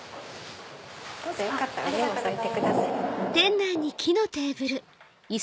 どうぞよかったらお荷物置いてください。